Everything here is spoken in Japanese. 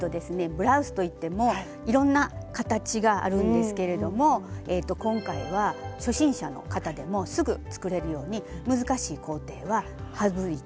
ブラウスといってもいろんな形があるんですけれども今回は初心者の方でもすぐ作れるように難しい工程は省いて。